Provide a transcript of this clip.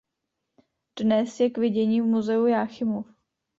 Dnes je k vidění v muzeu Jáchymov.